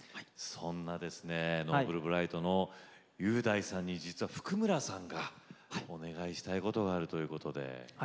そんなＮｏｖｅｌｂｒｉｇｈｔの雄大さんに実は譜久村さんがお願いしたいことがあるということで。